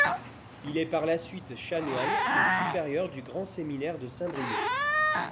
Il est par la suite chanoine et supérieur du grand séminaire de Saint-Brieuc.